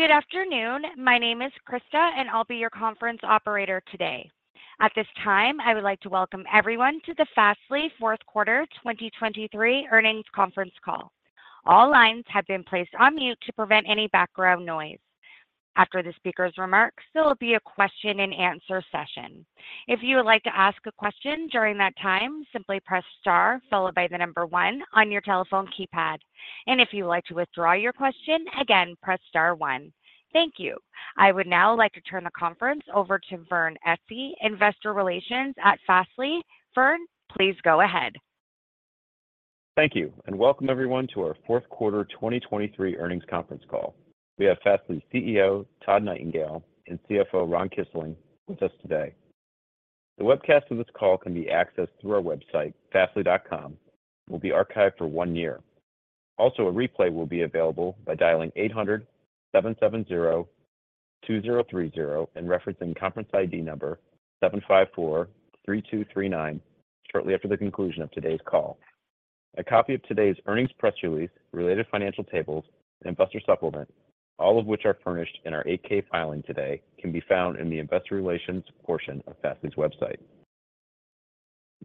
Good afternoon. My name is Krista, and I'll be your conference operator today. At this time, I would like to welcome everyone to the Fastly Fourth Quarter 2023 Earnings Conference Call. All lines have been placed on mute to prevent any background noise. After the speaker's remarks, there will be a question and answer session. If you would like to ask a question during that time, simply press star followed by the number one on your telephone keypad. If you would like to withdraw your question, again, press star one. Thank you. I would now like to turn the conference over to Vernon Essi, Investor Relations at Fastly. Vern, please go ahead. Thank you, and welcome everyone to our fourth quarter 2023 Earnings Conference Call. We have Fastly's CEO, Todd Nightingale, and CFO, Ron Kisling, with us today. The webcast of this call can be accessed through our website, fastly.com, will be archived for one year. Also, a replay will be available by dialing 800-770-2030 and referencing conference ID number 7543239 shortly after the conclusion of today's call. A copy of today's earnings press release, related financial tables, investor supplement, all of which are furnished in our 8-K filing today, can be found in the Investor Relations portion of Fastly's website.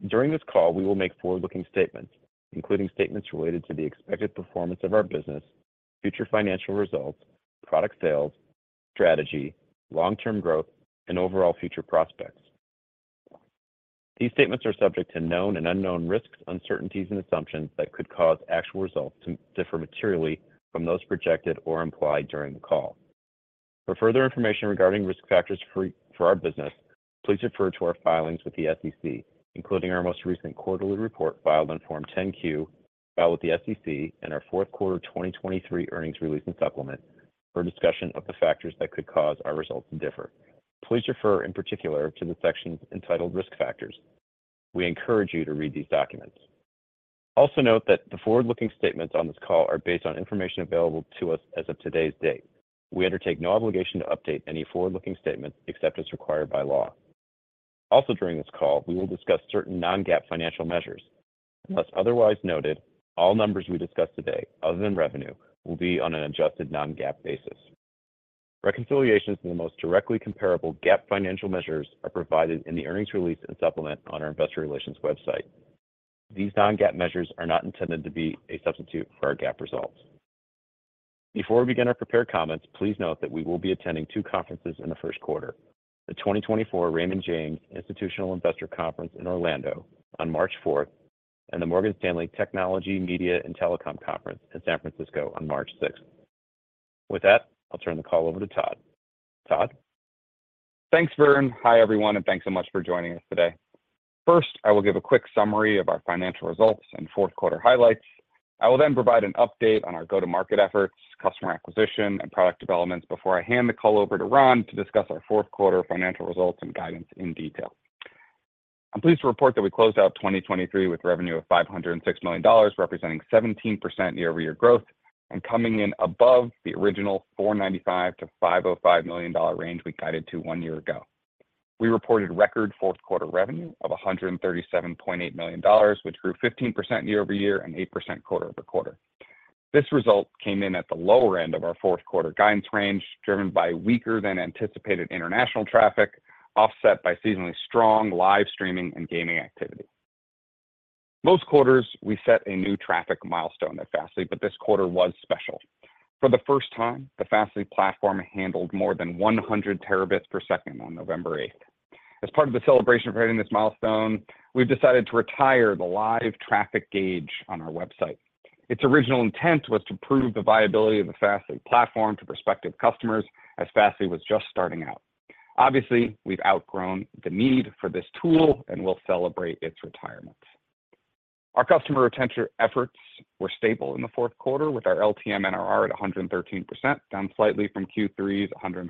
During this call, we will make forward-looking statements, including statements related to the expected performance of our business, future financial results, product sales, strategy, long-term growth, and overall future prospects. These statements are subject to known and unknown risks, uncertainties, and assumptions that could cause actual results to differ materially from those projected or implied during the call. For further information regarding risk factors for our business, please refer to our filings with the SEC, including our most recent quarterly report filed on Form 10-Q, filed with the SEC and our fourth quarter 2023 earnings release and supplement for a discussion of the factors that could cause our results to differ. Please refer in particular to the sections entitled "Risk Factors." We encourage you to read these documents. Also, note that the forward-looking statements on this call are based on information available to us as of today's date. We undertake no obligation to update any forward-looking statements except as required by law. Also, during this call, we will discuss certain non-GAAP financial measures. Unless otherwise noted, all numbers we discuss today, other than revenue, will be on an adjusted non-GAAP basis. Reconciliations to the most directly comparable GAAP financial measures are provided in the earnings release and supplement on our investor relations website. These non-GAAP measures are not intended to be a substitute for our GAAP results. Before we begin our prepared comments, please note that we will be attending two conferences in the first quarter, the 2024 Raymond James Institutional Investor Conference in Orlando on March 4, and the Morgan Stanley Technology, Media, and Telecom Conference in San Francisco on March 6. With that, I'll turn the call over to Todd. Todd? Thanks, Vern. Hi, everyone, and thanks so much for joining us today. First, I will give a quick summary of our financial results and fourth-quarter highlights. I will then provide an update on our go-to-market efforts, customer acquisition, and product developments before I hand the call over to Ron to discuss our fourth quarter financial results and guidance in detail. I'm pleased to report that we closed out 2023 with revenue of $506 million, representing 17% year-over-year growth and coming in above the original $ 495 million-$ 505 million range we guided to one year ago. We reported record fourth quarter revenue of $137.8 million, which grew 15% year-over-year and 8% quarter-over-quarter. This result came in at the lower end of our fourth-quarter guidance range, driven by weaker than anticipated international traffic, offset by seasonally strong live streaming and gaming activity. Most quarters, we set a new traffic milestone at Fastly, but this quarter was special. For the first time, the Fastly platform handled more than 100 Tbps on November 8th. As part of the celebration for hitting this milestone, we've decided to retire the live traffic gauge on our website. Its original intent was to prove the viability of the Fastly platform to prospective customers as Fastly was just starting out. Obviously, we've outgrown the need for this tool and will celebrate its retirement. Our customer retention efforts were stable in the fourth quarter, with our LTM NRR at 113%, down slightly from Q3's 114%.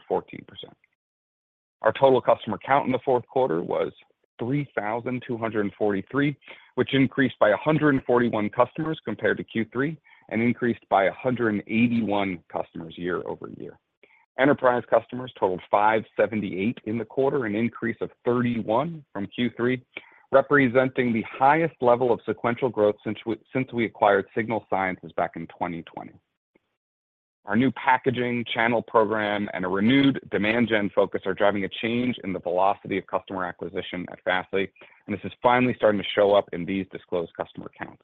Our total customer count in the fourth quarter was 3,243, which increased by 141 customers compared to Q3 and increased by 181 customers year over year. Enterprise customers totaled 578 in the quarter, an increase of 31 from Q3, representing the highest level of sequential growth since we acquired Signal Sciences back in 2020. Our new packaging channel program and a renewed demand gen focus are driving a change in the velocity of customer acquisition at Fastly, and this is finally starting to show up in these disclosed customer counts.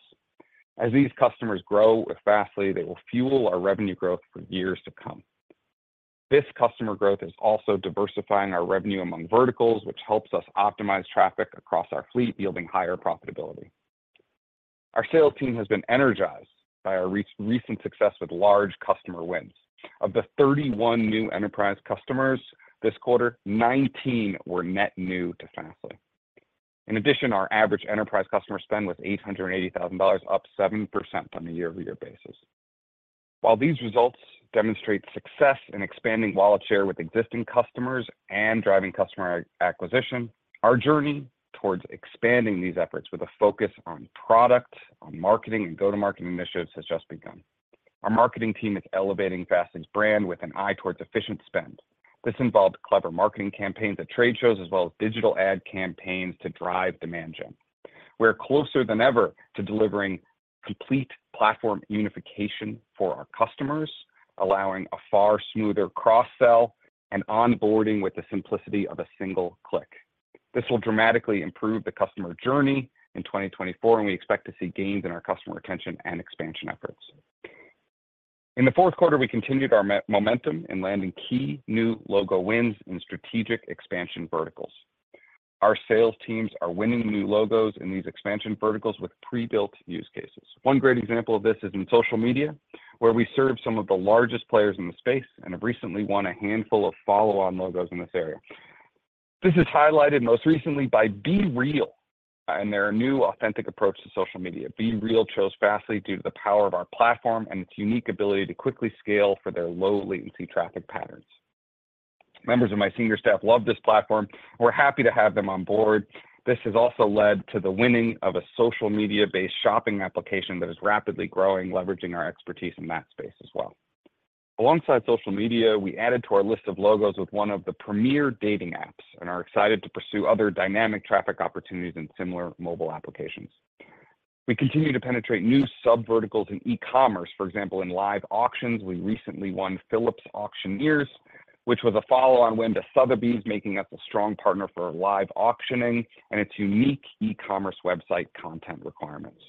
As these customers grow with Fastly, they will fuel our revenue growth for years to come. This customer growth is also diversifying our revenue among verticals, which helps us optimize traffic across our fleet, yielding higher profitability. Our sales team has been energized by our recent success with large customer wins. Of the 31 new enterprise customers this quarter, 19 were net new to Fastly. In addition, our average enterprise customer spend was $880,000, up 7% on a year-over-year basis. While these results demonstrate success in expanding wallet share with existing customers and driving customer acquisition, our journey towards expanding these efforts with a focus on product, on marketing, and go-to-market initiatives has just begun. Our marketing team is elevating Fastly's brand with an eye towards efficient spend. This involved clever marketing campaigns at trade shows, as well as digital ad campaigns to drive demand gen. We're closer than ever to delivering complete platform unification for our customers, allowing a far smoother cross-sell and onboarding with the simplicity of a single click. This will dramatically improve the customer journey in 2024, and we expect to see gains in our customer retention and expansion efforts. In the fourth quarter, we continued our momentum in landing key new logo wins in strategic expansion verticals. Our sales teams are winning new logos in these expansion verticals with pre-built use cases. One great example of this is in social media, where we serve some of the largest players in the space and have recently won a handful of follow-on logos in this area. This is highlighted most recently by BeReal and their new authentic approach to social media. BeReal chose Fastly due to the power of our platform and its unique ability to quickly scale for their low latency traffic patterns. Members of my senior staff love this platform. We're happy to have them on board. This has also led to the winning of a social media-based shopping application that is rapidly growing, leveraging our expertise in that space as well. Alongside social media, we added to our list of logos with one of the premier dating apps and are excited to pursue other dynamic traffic opportunities in similar mobile applications. We continue to penetrate new subverticals in e-commerce. For example, in live auctions, we recently won Phillips Auctioneers, which was a follow-on win to Sotheby's, making us a strong partner for live auctioning and its unique e-commerce website content requirements.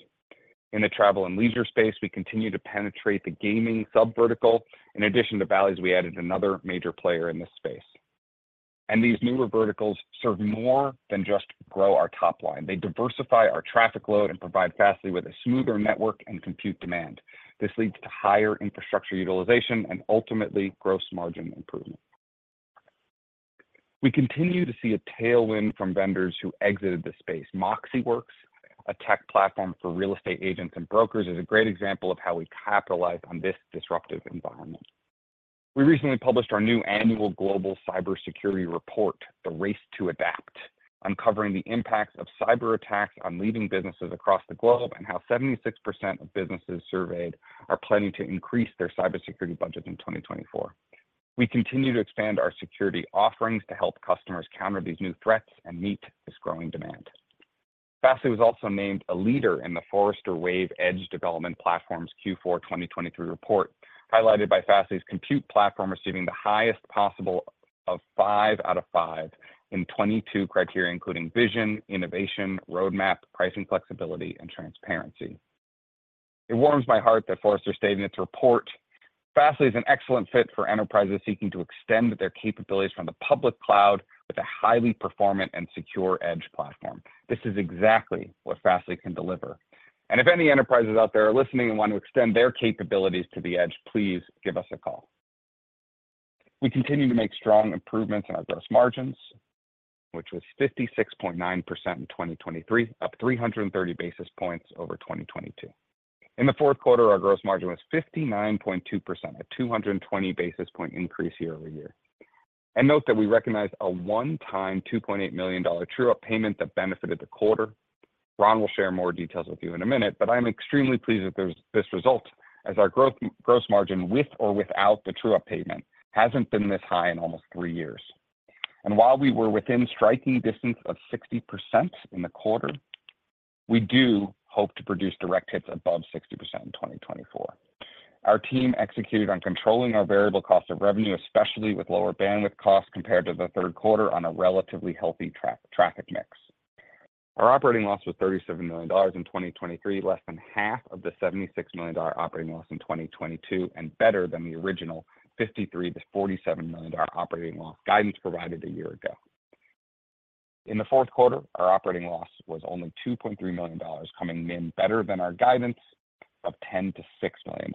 In the travel and leisure space, we continue to penetrate the gaming subvertical. In addition to Bally's, we added another major player in this space. These newer verticals serve more than just grow our top line. They diversify our traffic load and provide Fastly with a smoother network and compute demand. This leads to higher infrastructure utilization and ultimately, gross margin improvement. We continue to see a tailwind from vendors who exited the space. MoxiWorks, a tech platform for real estate agents and brokers, is a great example of how we capitalize on this disruptive environment. We recently published our new annual Global Cybersecurity Report, The Race to Adapt, uncovering the impacts of cyberattacks on leading businesses across the globe, and how 76% of businesses surveyed are planning to increase their cybersecurity budget in 2024. We continue to expand our security offerings to help customers counter these new threats and meet this growing demand. Fastly was also named a leader in the Forrester Wave Edge Development Platforms Q4 2023 report, highlighted by Fastly's Compute platform receiving the highest possible of 5 out of 5 in 22 criteria, including vision, innovation, roadmap, pricing, flexibility, and transparency. It warms my heart that Forrester stated in its report, "Fastly is an excellent fit for enterprises seeking to extend their capabilities from the public cloud with a highly performant and secure edge platform." This is exactly what Fastly can deliver. And if any enterprises out there are listening and want to extend their capabilities to the edge, please give us a call. We continue to make strong improvements in our gross margins, which was 56.9% in 2023, up 330 basis points over 2022. In the fourth quarter, our gross margin was 59.2%, a 220 basis point increase year over year. And note that we recognize a one-time $2.8 million true-up payment that benefited the quarter. Ron will share more details with you in a minute, but I'm extremely pleased with this, this result, as our gross margin, with or without the true-up payment, hasn't been this high in almost three years. And while we were within striking distance of 60% in the quarter, we do hope to produce direct hits above 60% in 2024. Our team executed on controlling our variable cost of revenue, especially with lower bandwidth costs compared to the third quarter on a relatively healthy traffic mix. Our operating loss was $37 million in 2023, less than half of the $76 million operating loss in 2022, and better than the original $53 million-$47 million operating loss guidance provided a year ago. In the fourth quarter, our operating loss was only $2.3 million, coming in better than our guidance of $10 million-$16 million.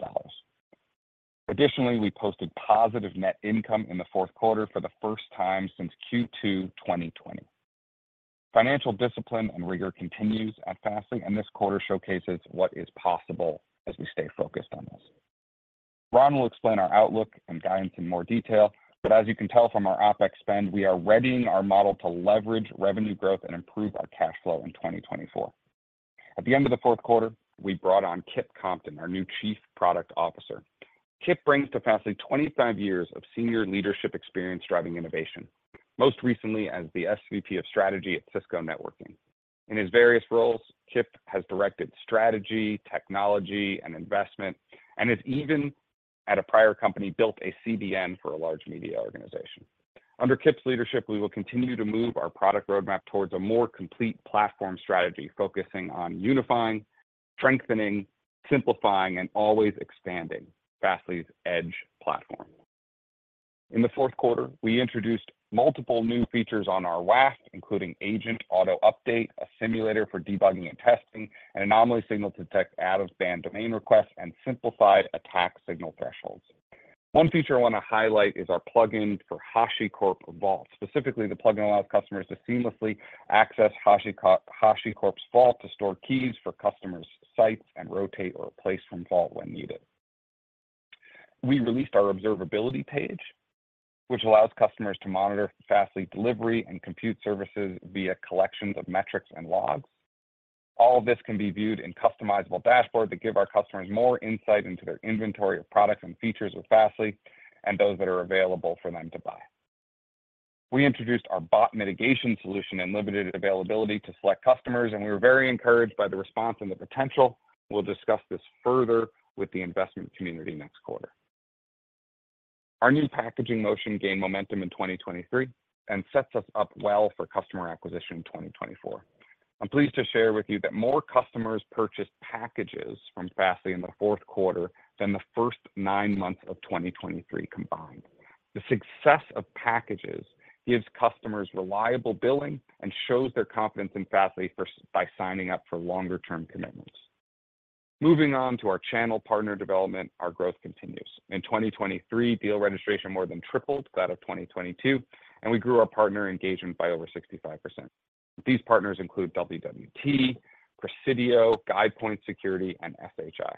Additionally, we posted positive net income in the fourth quarter for the first time since Q2 2020. Financial discipline and rigor continues at Fastly, and this quarter showcases what is possible as we stay focused on this. Ron will explain our outlook and guidance in more detail, but as you can tell from our OpEx spend, we are readying our model to leverage revenue growth and improve our cash flow in 2024. At the end of the fourth quarter, we brought on Kip Compton, our new Chief Product Officer. Kip brings to Fastly 25 years of senior leadership experience driving innovation, most recently as the SVP of Strategy at Cisco Networking. In his various roles, Kip has directed strategy, technology, and investment, and has even, at a prior company, built a CDN for a large media organization. Under Kip's leadership, we will continue to move our product roadmap towards a more complete platform strategy, focusing on unifying, strengthening, simplifying, and always expanding Fastly's Edge platform. In the fourth quarter, we introduced multiple new features on our WAF, including agent auto-update, a simulator for debugging and testing, an anomaly signal to detect out-of-band domain requests, and simplified attack signal thresholds. One feature I want to highlight is our plugin for HashiCorp Vault. Specifically, the plugin allows customers to seamlessly access HashiCorp- HashiCorp's Vault to store keys for customers' sites and rotate or replace from Vault when needed. We released our observability page, which allows customers to monitor Fastly delivery and compute services via collections of metrics and logs. All of this can be viewed in customizable dashboard to give our customers more insight into their inventory of products and features with Fastly and those that are available for them to buy. We introduced our bot mitigation solution and limited availability to select customers, and we were very encouraged by the response and the potential. We'll discuss this further with the investment community next quarter. Our new packaging motion gained momentum in 2023 and sets us up well for customer acquisition in 2024. I'm pleased to share with you that more customers purchased packages from Fastly in the fourth quarter than the first nine months of 2023 combined. The success of packages gives customers reliable billing and shows their confidence in Fastly for, by signing up for longer term commitments. Moving on to our channel partner development, our growth continues. In 2023, deal registration more than tripled that of 2022, and we grew our partner engagement by over 65%. These partners include WWT, Presidio, GuidePoint Security, and SHI.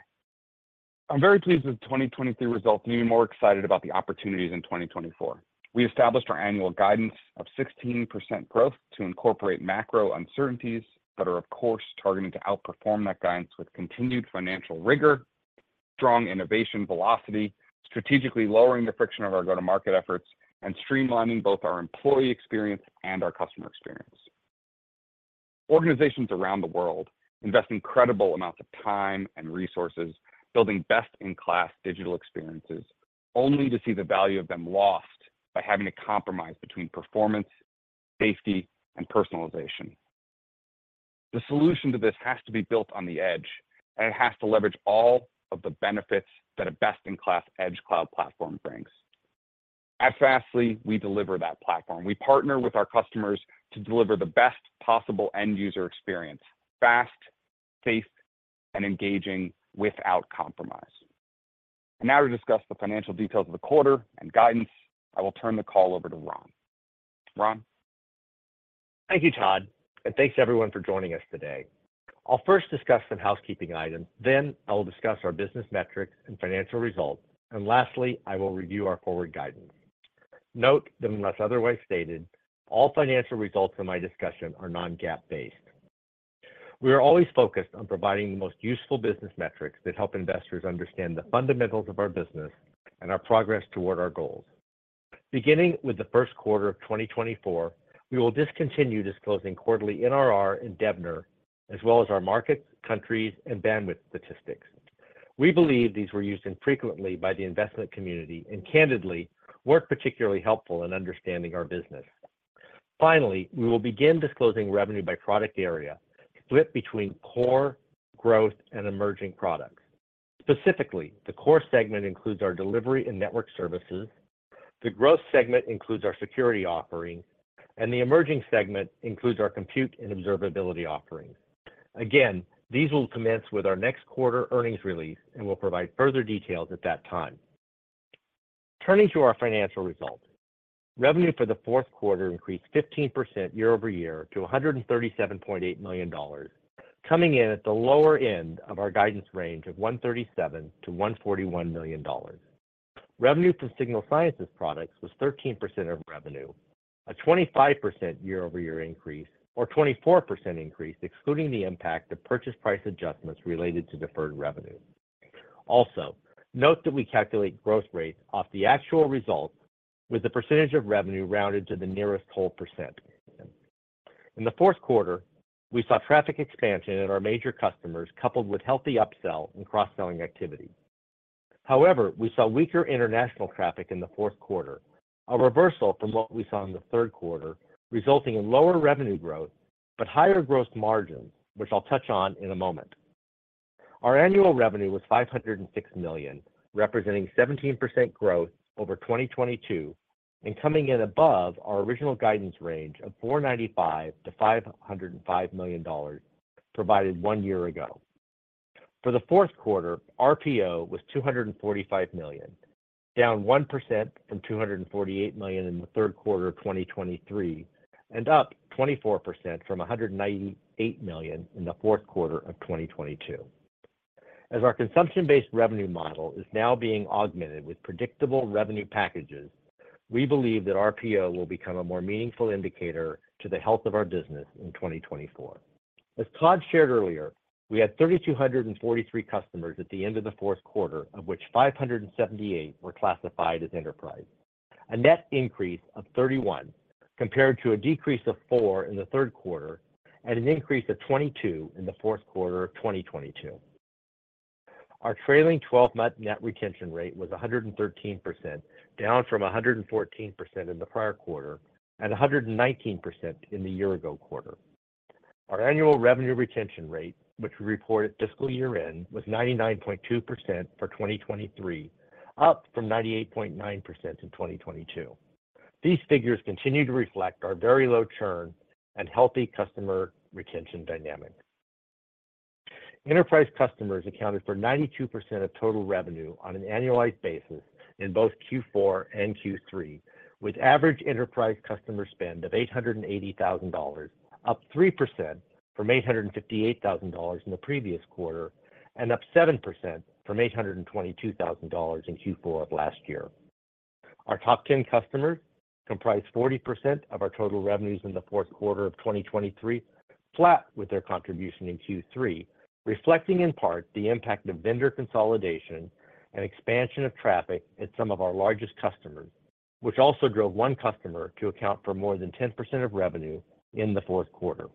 I'm very pleased with the 2023 results, and even more excited about the opportunities in 2024. We established our annual guidance of 16% growth to incorporate macro uncertainties, but are, of course, targeting to outperform that guidance with continued financial rigor, strong innovation velocity, strategically lowering the friction of our go-to-market efforts, and streamlining both our employee experience and our customer experience. Organizations around the world invest incredible amounts of time and resources building best-in-class digital experiences, only to see the value of them lost by having to compromise between performance, safety, and personalization. The solution to this has to be built on the edge, and it has to leverage all of the benefits that a best-in-class edge cloud platform brings. At Fastly, we deliver that platform. We partner with our customers to deliver the best possible end user experience, fast, safe, and engaging without compromise. And now to discuss the financial details of the quarter and guidance, I will turn the call over to Ron. Ron? Thank you, Todd, and thanks everyone for joining us today. I'll first discuss some housekeeping items, then I will discuss our business metrics and financial results, and lastly, I will review our forward guidance. Note that unless otherwise stated, all financial results from my discussion are non-GAAP based. We are always focused on providing the most useful business metrics that help investors understand the fundamentals of our business and our progress toward our goals. Beginning with the first quarter of 2024, we will discontinue disclosing quarterly NRR and DBNER, as well as our market, countries, and bandwidth statistics. We believe these were used infrequently by the investment community, and candidly, weren't particularly helpful in understanding our business. Finally, we will begin disclosing revenue by product area, split between core, growth, and emerging products. Specifically, the core segment includes our delivery and network services, the growth segment includes our security offerings, and the emerging segment includes our compute and observability offerings. Again, these will commence with our next quarter earnings release, and we'll provide further details at that time. Turning to our financial results, revenue for the fourth quarter increased 15% year-over-year to $137.8 million, coming in at the lower end of our guidance range of $137-$141 million. Revenue from Signal Sciences products was 13% of revenue, a 25% year-over-year increase, or 24% increase, excluding the impact of purchase price adjustments related to deferred revenue. Also, note that we calculate gross rates off the actual results, with the percentage of revenue rounded to the nearest whole percent. In the fourth quarter, we saw traffic expansion at our major customers, coupled with healthy upsell and cross-selling activity. However, we saw weaker international traffic in the fourth quarter, a reversal from what we saw in the third quarter, resulting in lower revenue growth but higher gross margins, which I'll touch on in a moment. Our annual revenue was $506 million, representing 17% growth over 2022 and coming in above our original guidance range of $495 million-$505 million, provided one year ago. For the fourth quarter, RPO was $245 million, down 1% from $248 million in the third quarter of 2023, and up 24% from $198 million in the fourth quarter of 2022. As our consumption-based revenue model is now being augmented with predictable revenue packages, we believe that RPO will become a more meaningful indicator to the health of our business in 2024. As Todd shared earlier, we had 3,243 customers at the end of the fourth quarter, of which 578 were classified as enterprise. A net increase of 31, compared to a decrease of 4 in the third quarter, and an increase of 22 in the fourth quarter of 2022. Our trailing twelve-month net retention rate was 113%, down from 114% in the prior quarter, and 119% in the year-ago quarter. Our annual revenue retention rate, which we report at fiscal year-end, was 99.2% for 2023, up from 98.9% in 2022. These figures continue to reflect our very low churn and healthy customer retention dynamic. Enterprise customers accounted for 92% of total revenue on an annualized basis in both Q4 and Q3, with average enterprise customer spend of $880,000, up 3% from $858,000 in the previous quarter and up 7% from $822,000 in Q4 of last year. Our top ten customers comprised 40% of our total revenues in the fourth quarter of 2023 flat with their contribution in Q3, reflecting in part the impact of vendor consolidation and expansion of traffic at some of our largest customers, which also drove one customer to account for more than 10% of revenue in the fourth quarter.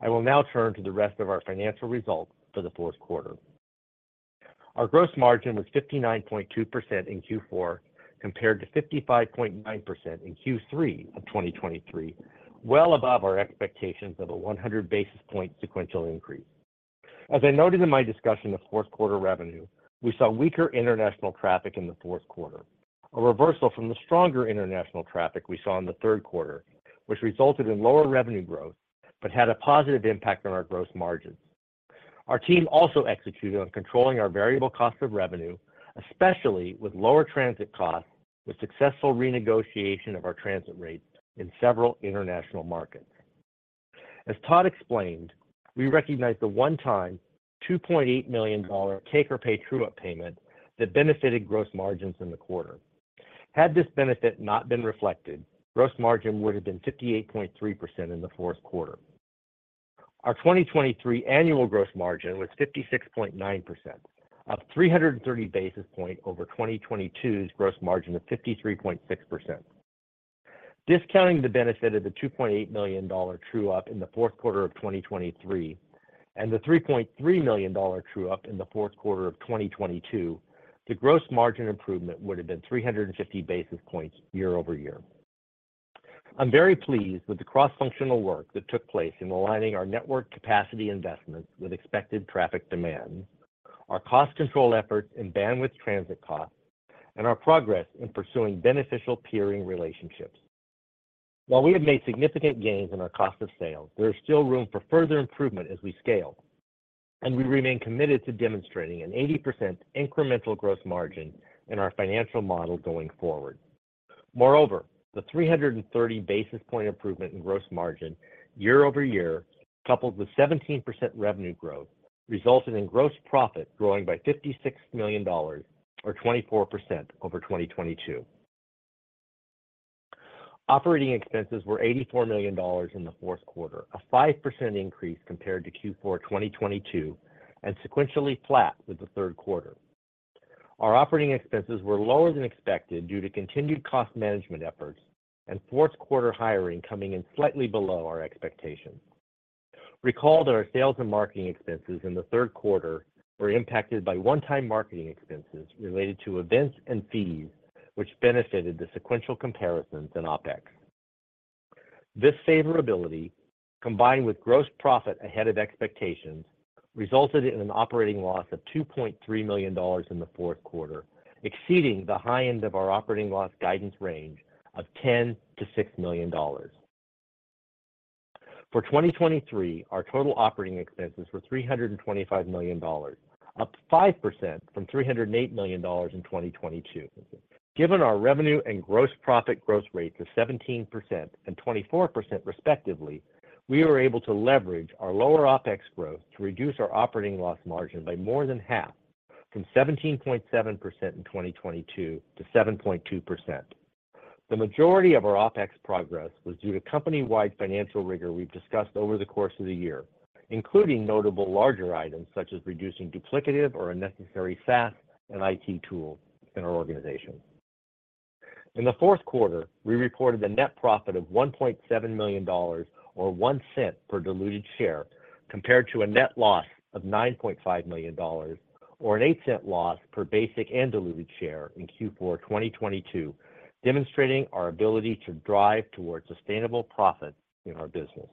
I will now turn to the rest of our financial results for the fourth quarter. Our gross margin was 59.2% in Q4, compared to 55.9% in Q3 of 2023, well above our expectations of a 100 basis point sequential increase. As I noted in my discussion of fourth quarter revenue, we saw weaker international traffic in the fourth quarter, a reversal from the stronger international traffic we saw in the third quarter, which resulted in lower revenue growth, but had a positive impact on our gross margin. Our team also executed on controlling our variable cost of revenue, especially with lower transit costs, with successful renegotiation of our transit rates in several international markets. As Todd explained, we recognized a one-time, $2.8 million take or pay true-up payment that benefited gross margins in the quarter. Had this benefit not been reflected, gross margin would have been 58.3% in the fourth quarter. Our 2023 annual gross margin was 56.9%, up 330 basis points over 2022's gross margin of 53.6%. Discounting the benefit of the $2.8 million true-up in the fourth quarter of 2023, and the $3.3 million true-up in the fourth quarter of 2022, the gross margin improvement would have been 350 basis points year-over-year. I'm very pleased with the cross-functional work that took place in aligning our network capacity investments with expected traffic demands, our cost control efforts and bandwidth transit costs, and our progress in pursuing beneficial peering relationships. While we have made significant gains in our cost of sales, there is still room for further improvement as we scale, and we remain committed to demonstrating an 80% incremental gross margin in our financial model going forward. Moreover, the 330 basis point improvement in gross margin year-over-year, coupled with 17% revenue growth, resulted in gross profit growing by $56 million or 24% over 2022. Operating expenses were $84 million in the fourth quarter, a 5% increase compared to Q4 2022, and sequentially flat with the third quarter. Our operating expenses were lower than expected due to continued cost management efforts and fourth quarter hiring coming in slightly below our expectations. Recall that our sales and marketing expenses in the third quarter were impacted by one-time marketing expenses related to events and fees, which benefited the sequential comparisons in OpEx. This favorability, combined with gross profit ahead of expectations, resulted in an operating loss of $2.3 million in the fourth quarter, exceeding the high end of our operating loss guidance range of $10 million-$6 million. For 2023, our total operating expenses were $325 million, up 5% from $308 million in 2022. Given our revenue and gross profit growth rates of 17% and 24% respectively, we were able to leverage our lower OpEx growth to reduce our operating loss margin by more than half from 17.7% in 2022 to 7.2%. The majority of our OpEx progress was due to company-wide financial rigor we've discussed over the course of the year, including notable larger items such as reducing duplicative or unnecessary SaaS and IT tools in our organization. In the fourth quarter, we reported a net profit of $1.7 million or $0.01 per diluted share, compared to a net loss of $9.5 million, or an 8 cent loss per basic and diluted share in Q4 2022, demonstrating our ability to drive towards sustainable profits in our business.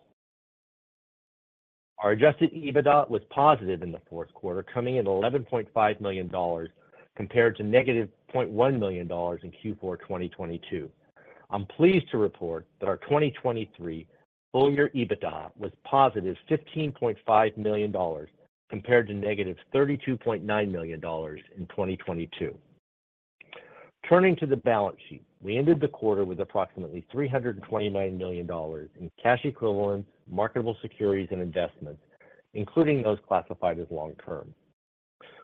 Our adjusted EBITDA was positive in the fourth quarter, coming in at $11.5 million, compared to -$0.1 million in Q4 2022. I'm pleased to report that our 2023 full year EBITDA was positive $15.5 million, compared to -$32.9 million in 2022. Turning to the balance sheet, we ended the quarter with approximately $329 million in cash equivalents, marketable securities, and investments, including those classified as long term.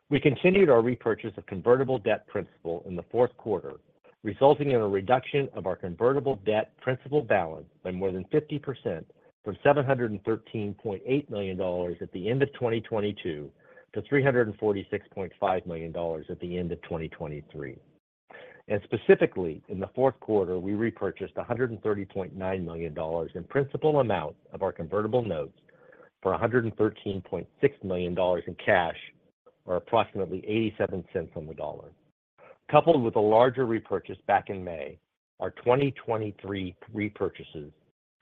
We continued our repurchase of convertible debt principal in the fourth quarter, resulting in a reduction of our convertible debt principal balance by more than 50% from $713.8 million at the end of 2022 to $346.5 million at the end of 2023. Specifically in the fourth quarter, we repurchased $130.9 million in principal amount of our convertible notes for $113.6 million in cash, or approximately $0.87 on the dollar. Coupled with a larger repurchase back in May, our 2023 repurchases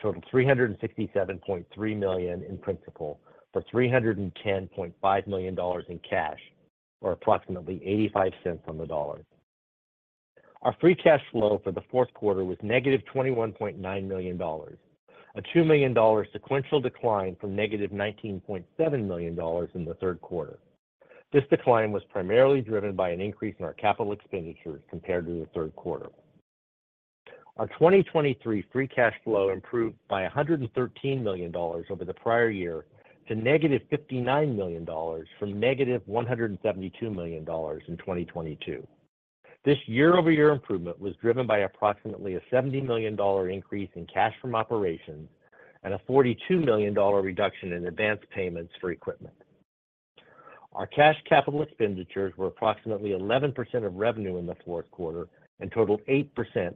totaled $367.3 million in principal for $310.5 million in cash, or approximately 85 cents on the dollar. Our free cash flow for the fourth quarter was negative $21.9 million, a $2 million sequential decline from negative $19.7 million in the third quarter. This decline was primarily driven by an increase in our capital expenditures compared to the third quarter. Our 2023 free cash flow improved by $113 million over the prior year to negative $59 million from negative $172 million in 2022. This year-over-year improvement was driven by approximately a $70 million increase in cash from operations and a $42 million reduction in advance payments for equipment. Our cash capital expenditures were approximately 11% of revenue in the fourth quarter, and totaled 8%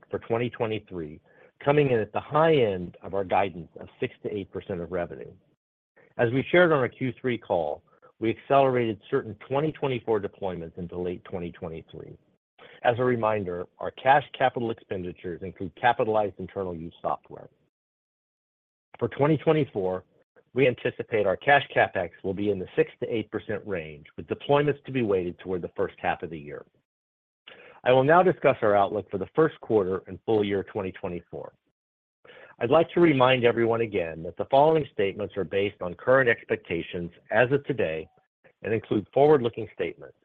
for 2023, coming in at the high end of our guidance of 6%-8% of revenue. As we shared on our Q3 call, we accelerated certain 2024 deployments into late 2023. As a reminder, our cash capital expenditures include capitalized internal use software. For 2024, we anticipate our cash CapEx will be in the 6%-8% range, with deployments to be weighted toward the first half of the year. I will now discuss our outlook for the first quarter and full year 2024. I'd like to remind everyone again, that the following statements are based on current expectations as of today, and include forward-looking statements.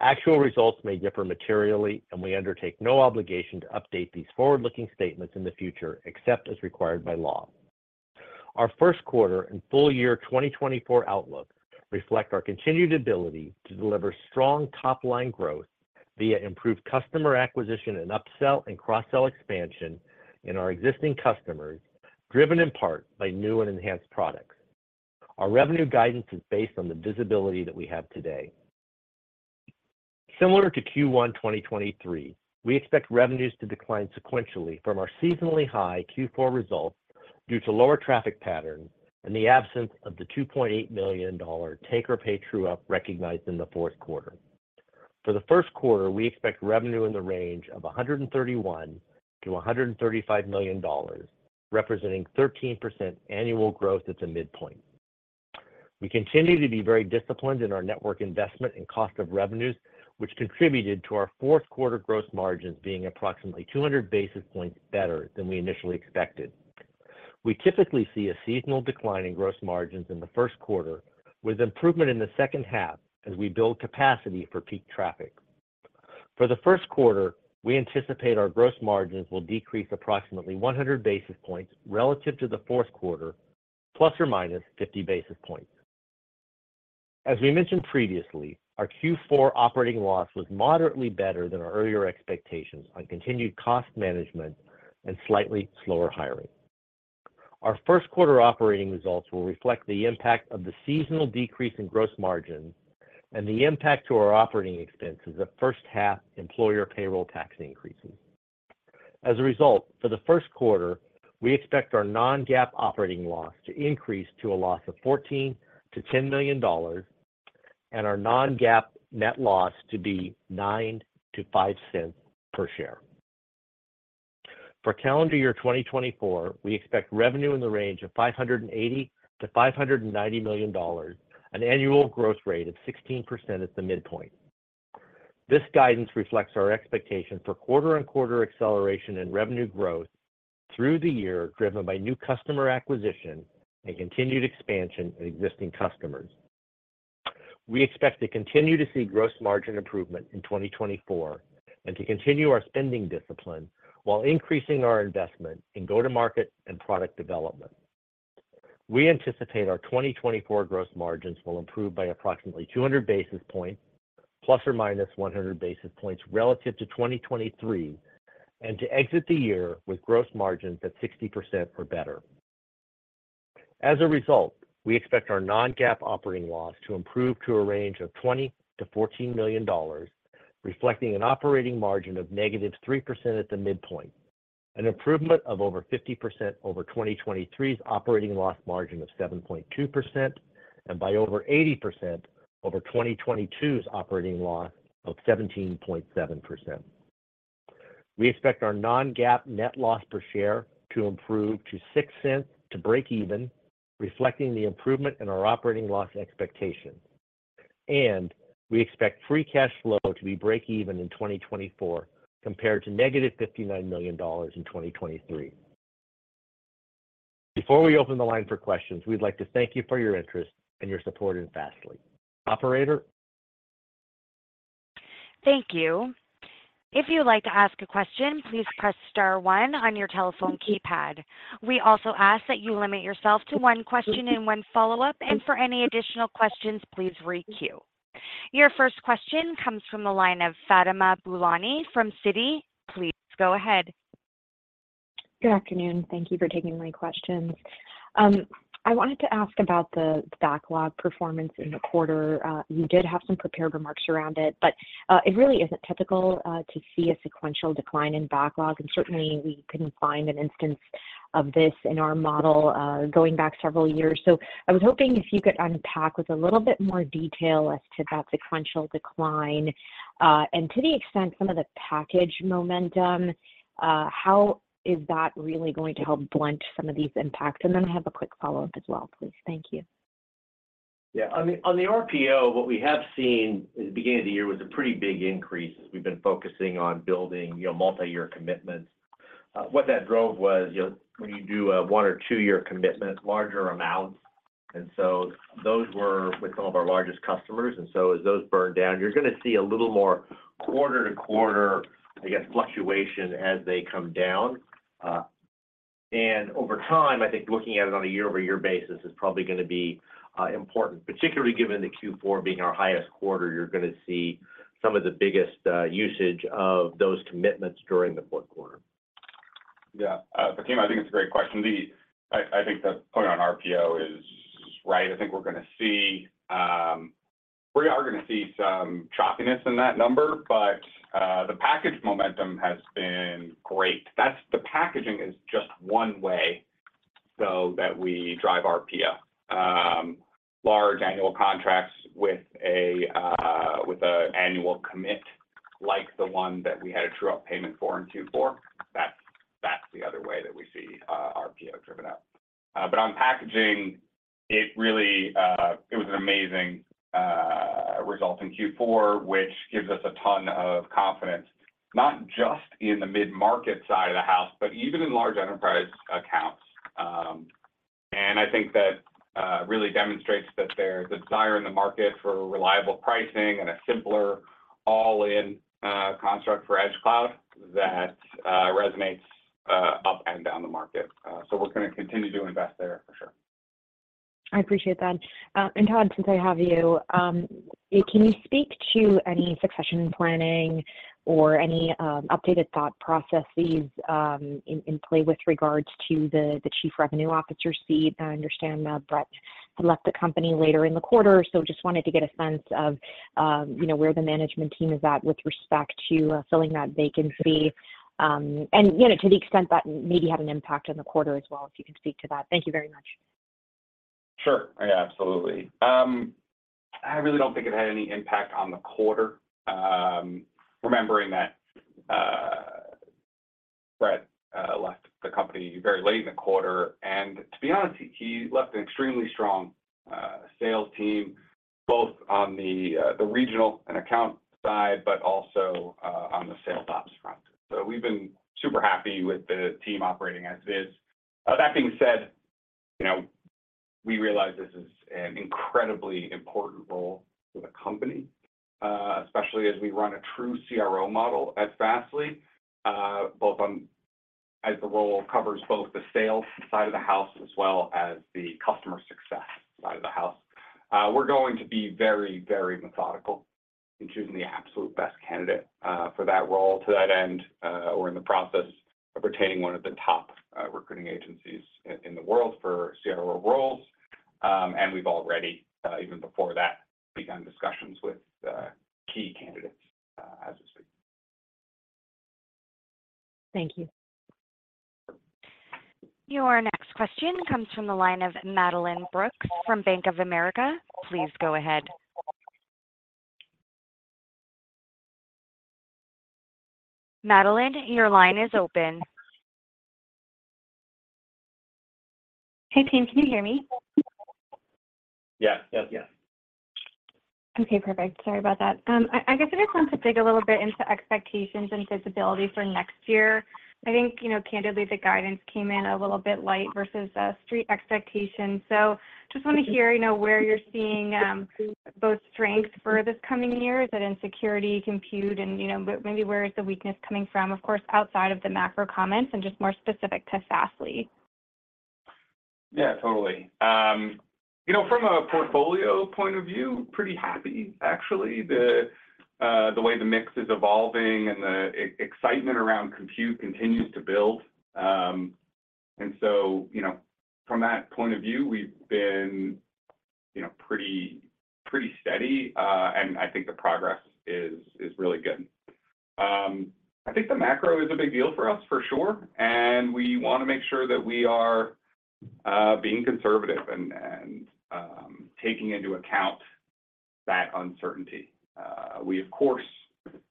Actual results may differ materially, and we undertake no obligation to update these forward-looking statements in the future, except as required by law. Our first quarter and full year 2024 outlook reflect our continued ability to deliver strong top-line growth via improved customer acquisition and upsell and cross-sell expansion in our existing customers, driven in part by new and enhanced products. Our revenue guidance is based on the visibility that we have today. Similar to Q1 2023, we expect revenues to decline sequentially from our seasonally high Q4 results due to lower traffic patterns and the absence of the $2.8 million take or pay true-up recognized in the fourth quarter. For the first quarter, we expect revenue in the range of $131 million-$135 million, representing 13% annual growth at the midpoint. We continue to be very disciplined in our network investment and cost of revenues, which contributed to our fourth quarter gross margins being approximately 200 basis points better than we initially expected. We typically see a seasonal decline in gross margins in the first quarter, with improvement in the second half as we build capacity for peak traffic. For the first quarter, we anticipate our gross margins will decrease approximately 100 basis points relative to the fourth quarter, ±50 basis points. As we mentioned previously, our Q4 operating loss was moderately better than our earlier expectations on continued cost management and slightly slower hiring. Our first quarter operating results will reflect the impact of the seasonal decrease in gross margin and the impact to our operating expenses of first half employer payroll tax increases. As a result, for the first quarter, we expect our non-GAAP operating loss to increase to a loss of $14 million to $10 million, and our non-GAAP net loss to be $0.09 to $0.05 per share. For calendar year 2024, we expect revenue in the range of $580 million-$590 million, an annual growth rate of 16% at the midpoint. This guidance reflects our expectation for quarter-on-quarter acceleration in revenue growth through the year, driven by new customer acquisition and continued expansion of existing customers. We expect to continue to see gross margin improvement in 2024, and to continue our spending discipline while increasing our investment in go-to-market and product development. We anticipate our 2024 gross margins will improve by approximately 200 basis points, ±100 basis points relative to 2023, and to exit the year with gross margins at 60% or better. As a result, we expect our non-GAAP operating loss to improve to a range of $20 million-$14 million, reflecting an operating margin of -3% at the midpoint, an improvement of over 50% over 2023's operating loss margin of 7.2%, and by over 80% over 2022's operating loss of 17.7%. We expect our non-GAAP net loss per share to improve to $0.06 to breakeven, reflecting the improvement in our operating loss expectations. We expect free cash flow to be breakeven in 2024, compared to negative $59 million in 2023. Before we open the line for questions, we'd like to thank you for your interest and your support in Fastly. Operator? Thank you. If you'd like to ask a question, please press star one on your telephone keypad. We also ask that you limit yourself to one question and one follow-up, and for any additional questions, please requeue. Your first question comes from the line of Fatima Boolani from Citi. Please go ahead. Good afternoon. Thank you for taking my questions. I wanted to ask about the backlog performance in the quarter. You did have some prepared remarks around it, but it really isn't typical to see a sequential decline in backlog, and certainly we couldn't find an instance of this in our model going back several years. So I was hoping if you could unpack with a little bit more detail as to that sequential decline, and to the extent some of the package momentum, how is that really going to help blunt some of these impacts? And then I have a quick follow-up as well, please. Thank you. Yeah. I mean, on the RPO, what we have seen at the beginning of the year was a pretty big increase, as we've been focusing on building, you know, multiyear commitments. What that drove was, you know, when you do a one or two year commitment, larger amounts, and so those were with some of our largest customers. And so as those burn down, you're gonna see a little more quarter-to-quarter, I guess, fluctuation as they come down. ... and over time, I think looking at it on a year-over-year basis is probably gonna be important, particularly given the Q4 being our highest quarter. You're gonna see some of the biggest usage of those commitments during the fourth quarter. Yeah, I think it's a great question. I think the point on RPO is right. I think we're gonna see, we are gonna see some choppiness in that number, but, the package momentum has been great. That's the packaging is just one way so that we drive RPO. Large annual contracts with a, with a annual commit, like the one that we had a true-up payment for in Q4, that's, that's the other way that we see, RPO driven up. But on packaging, it really, it was an amazing, result in Q4, which gives us a ton of confidence, not just in the mid-market side of the house, but even in large enterprise accounts. I think that really demonstrates that there's desire in the market for reliable pricing and a simpler all-in construct for edge cloud that resonates up and down the market. So we're gonna continue to invest there for sure. I appreciate that. And Todd, since I have you, can you speak to any succession planning or any updated thought processes in play with regards to the Chief Revenue Officer seat? I understand that Brett had left the company later in the quarter, so just wanted to get a sense of, you know, where the management team is at with respect to filling that vacancy. You know, to the extent that maybe had an impact on the quarter as well, if you can speak to that. Thank you very much. Sure. Yeah, absolutely. I really don't think it had any impact on the quarter. Remembering that, Brett left the company very late in the quarter, and to be honest, he left an extremely strong sales team, both on the regional and account side, but also on the sales ops front. So we've been super happy with the team operating as is. That being said, you know, we realize this is an incredibly important role for the company, especially as we run a true CRO model at Fastly, both on as the role covers both the sales side of the house as well as the customer success side of the house. We're going to be very, very methodical in choosing the absolute best candidate for that role. To that end, we're in the process of retaining one of the top recruiting agencies in the world for CRO roles. And we've already, even before that, begun discussions with key candidates as of today. Thank you. Your next question comes from the line of Madeline Brooks from Bank of America. Please go ahead. Madeline, your line is open. Hey, team, can you hear me? Yeah. Yep, yeah. Okay, perfect. Sorry about that. I guess I just want to dig a little bit into expectations and visibility for next year. I think, you know, candidly, the guidance came in a little bit light versus street expectations. So just want to hear, you know, where you're seeing both strengths for this coming year. Is it in security, Compute, and, you know, but maybe where is the weakness coming from? Of course, outside of the macro comments and just more specific to Fastly. Yeah, totally. You know, from a portfolio point of view, pretty happy, actually. The way the mix is evolving and the excitement around Compute continues to build. And so, you know, from that point of view, we've been, you know, pretty steady. And I think the progress is really good. I think the macro is a big deal for us, for sure, and we want to make sure that we are being conservative and taking into account that uncertainty. We, of course,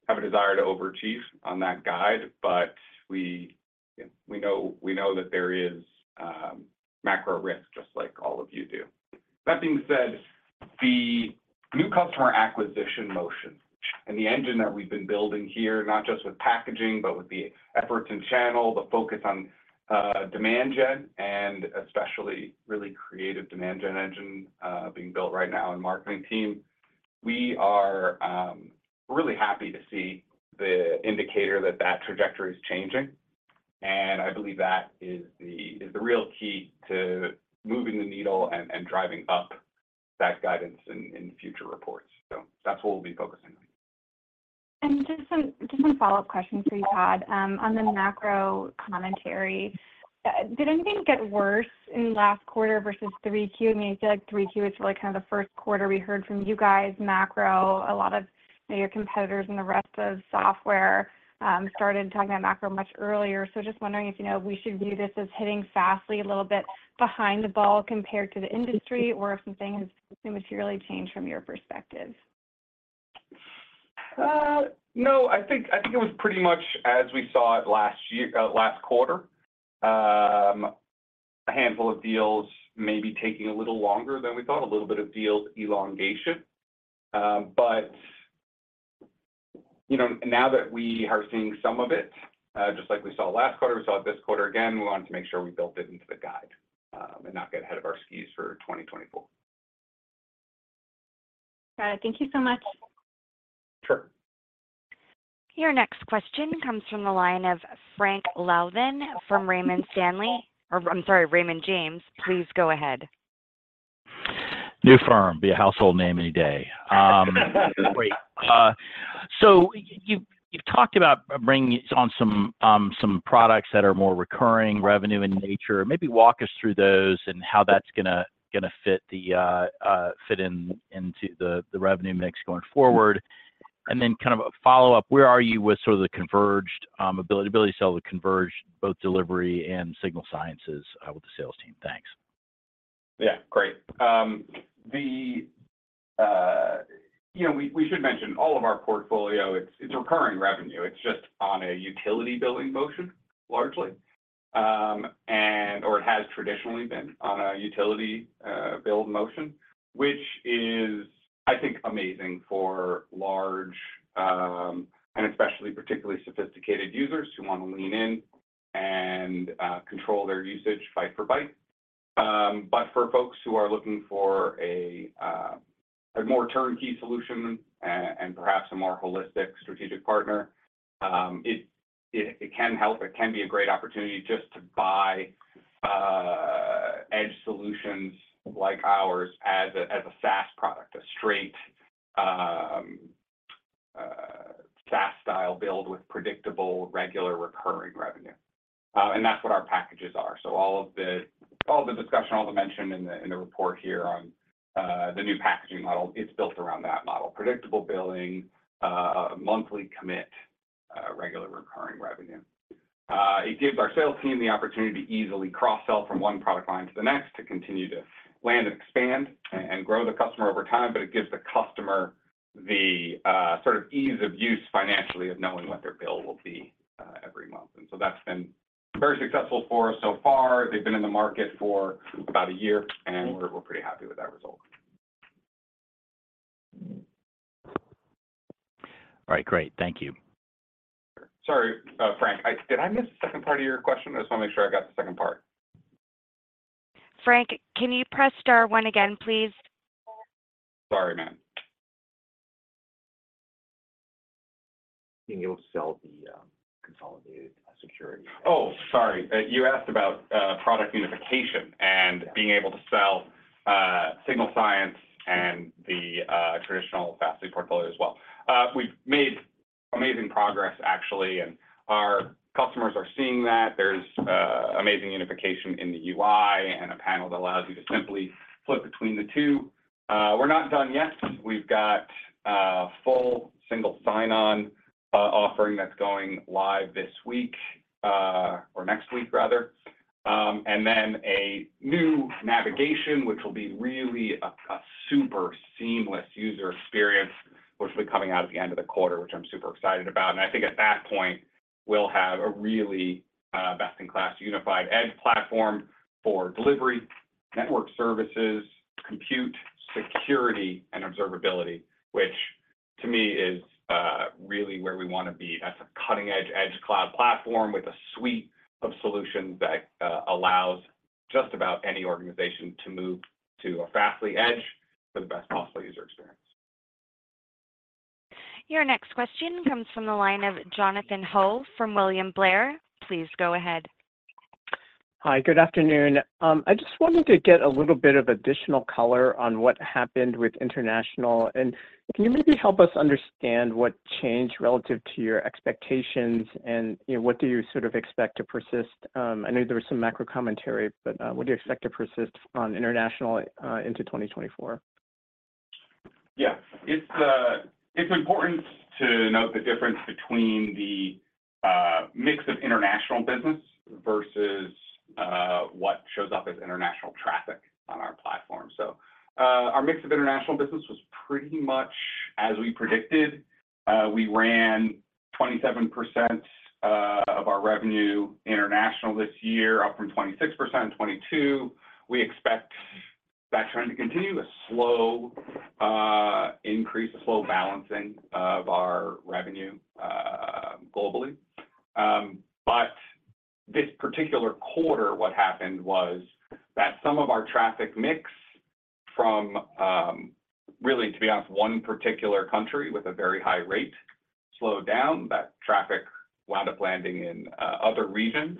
have a desire to overachieve on that guide, but we know that there is macro risk, just like all of you do. That being said, the new customer acquisition motion and the engine that we've been building here, not just with packaging, but with the efforts in channel, the focus on, demand gen, and especially really creative demand gen engine, being built right now in marketing team, we are, really happy to see the indicator that that trajectory is changing, and I believe that is the, is the real key to moving the needle and, and driving up that guidance in, in future reports. So that's what we'll be focusing on. Just some follow-up questions for you, Todd. On the macro commentary, did anything get worse in last quarter versus three Q? I mean, I feel like three Q is really kind of the first quarter we heard from you guys, macro, a lot of your competitors and the rest of software started talking about macro much earlier. So just wondering if, you know, we should view this as hitting Fastly a little bit behind the ball compared to the industry, or if something has materially changed from your perspective. No, I think, I think it was pretty much as we saw it last year, last quarter. A handful of deals may be taking a little longer than we thought, a little bit of deals elongation. But, you know, now that we are seeing some of it, just like we saw last quarter, we saw it this quarter, again, we wanted to make sure we built it into the guide, and not get ahead of our skis for 2024. Thank you so much. Sure. Your next question comes from the line of Frank Louthan from Raymond Stanley, or I'm sorry, Raymond James. Please go ahead. New firm, be a household name any day. Great. So you've talked about bringing on some products that are more recurring revenue in nature. Maybe walk us through those and how that's gonna fit into the revenue mix going forward. And then kind of a follow-up, where are you with sort of the converged ability to sell the converged, both delivery and Signal Sciences, with the sales team? Thanks. Yeah, great. You know, we should mention all of our portfolio. It's recurring revenue. It's just on a utility billing motion, largely. And or it has traditionally been on a utility bill motion, which is, I think, amazing for large and especially particularly sophisticated users who want to lean in and control their usage byte for byte. But for folks who are looking for a more turnkey solution and perhaps a more holistic strategic partner, it can help. It can be a great opportunity just to buy edge solutions like ours as a SaaS product, a straight SaaS-style build with predictable, regular recurring revenue. And that's what our packages are. So all the discussion, all the mention in the report here on the new packaging model, it's built around that model. Predictable billing, monthly commit, regular recurring revenue. It gives our sales team the opportunity to easily cross-sell from one product line to the next, to continue to land and expand and grow the customer over time, but it gives the customer the sort of ease of use financially of knowing what their bill will be every month. And so that's been very successful for us so far. They've been in the market for about a year, and we're pretty happy with that result. All right, great. Thank you. Sorry, Frank, did I miss the second part of your question? I just want to make sure I got the second part. Frank, can you press star one again, please? Sorry, ma'am. Being able to sell the consolidated security- Oh, sorry. You asked about product unification and being able to sell Signal Sciences and the traditional Fastly portfolio as well. We've made amazing progress actually, and our customers are seeing that. There's amazing unification in the UI and a panel that allows you to simply flip between the two. We're not done yet. We've got a full single sign-on offering that's going live this week or next week, rather. And then a new navigation, which will be really a super seamless user experience, which will be coming out at the end of the quarter, which I'm super excited about. And I think at that point, we'll have a really best-in-class unified edge platform for delivery, network services, compute, security, and observability, which to me is really where we want to be. That's a cutting-edge edge cloud platform with a suite of solutions that allows just about any organization to move to a Fastly edge for the best possible user experience. Your next question comes from the line of Jonathan Ho from William Blair. Please go ahead. Hi, good afternoon. I just wanted to get a little bit of additional color on what happened with international. Can you maybe help us understand what changed relative to your expectations, and, you know, what do you sort of expect to persist? I know there was some macro commentary, but what do you expect to persist on international into 2024? Yeah. It's, it's important to note the difference between the, mix of international business versus, what shows up as international traffic on our platform. So, our mix of international business was pretty much as we predicted. We ran 27%, of our revenue international this year, up from 26% in 2022. We expect that trend to continue, a slow, increase, a slow balancing of our revenue, globally. But this particular quarter, what happened was that some of our traffic mix from, really, to be honest, one particular country with a very high rate, slowed down. That traffic wound up landing in, other regions,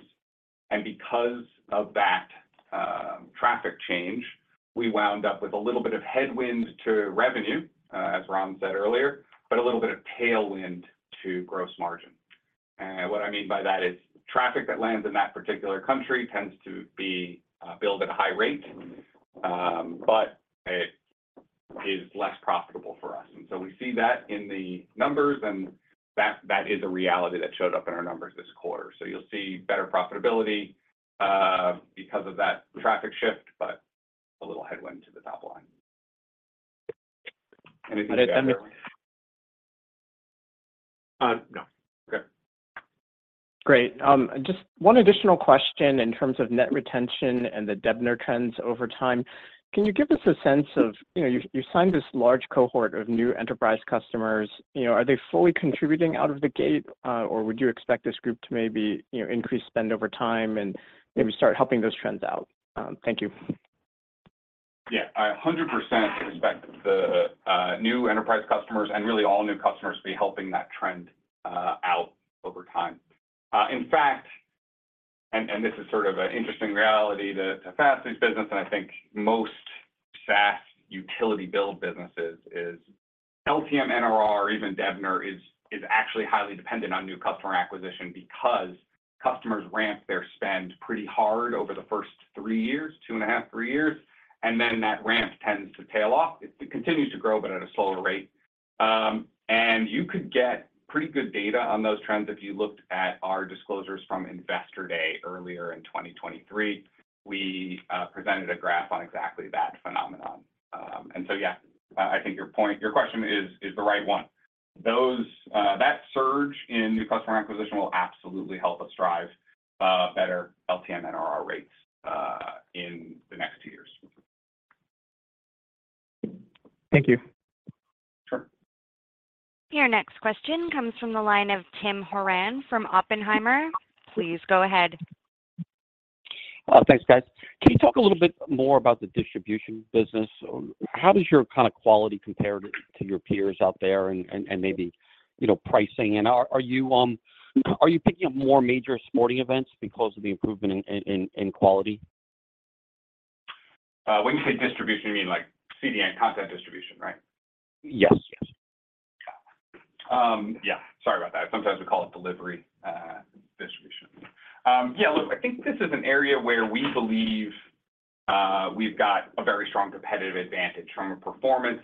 and because of that, traffic change, we wound up with a little bit of headwind to revenue, as Ron said earlier, but a little bit of tailwind to gross margin. And what I mean by that is, traffic that lands in that particular country tends to be billed at a high rate, but it is less profitable for us. And so we see that in the numbers, and that is a reality that showed up in our numbers this quarter. So you'll see better profitability because of that traffic shift, but a little headwind to the top line. Anything to add there? Uh, no. Okay. Great. Just one additional question in terms of net retention and the DBNER trends over time. Can you give us a sense of, you know, you signed this large cohort of new enterprise customers. You know, are they fully contributing out of the gate, or would you expect this group to maybe, you know, increase spend over time and maybe start helping those trends out? Thank you. Yeah, I 100% expect the new enterprise customers and really all new customers to be helping that trend out over time. In fact, and this is sort of an interesting reality to Fastly's business, and I think most SaaS utility build businesses, is LTM NRR, or even DBNER is actually highly dependent on new customer acquisition because customers ramp their spend pretty hard over the first three years, two and a half, three years, and then that ramp tends to tail off. It continues to grow, but at a slower rate. You could get pretty good data on those trends if you looked at our disclosures from Investor Day earlier in 2023. We presented a graph on exactly that phenomenon. So, yeah, I think your point, your question is the right one. Those that surge in new customer acquisition will absolutely help us drive better LTM NRR rates in the next two years. Thank you. Sure. Your next question comes from the line of Tim Horan from Oppenheimer. Please go ahead. Well, thanks, guys. Can you talk a little bit more about the distribution business? Or how does your kind of quality compare to your peers out there and maybe, you know, pricing? And are you picking up more major sporting events because of the improvement in quality? When you say distribution, you mean like CDN, content distribution, right? Yes. Yes. Yeah, sorry about that. Sometimes we call it delivery, distribution. Yeah, look, I think this is an area where we believe we've got a very strong competitive advantage from a performance